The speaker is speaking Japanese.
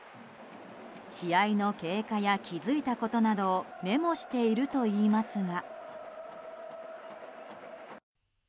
試合の経過や気付いたことなどをメモしているといいますが。